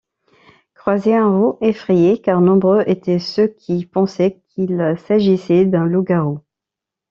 Croiser un roux effrayait car nombreux étaient ceux qui pensaient qu'il s'agissait d'un loup-garou.